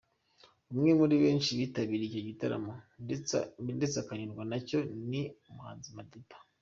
Umwe muri benshi bitabiriye icyo gitaramo ndetse akanyurwa na cyo ni umuhanzi Safi Madiba.